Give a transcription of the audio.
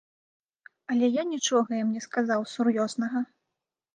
Але я нічога ім не сказаў сур'ёзнага.